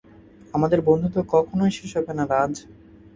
আমাদের বন্ধুত্ব কখনই শেষ হবে না, রাজ।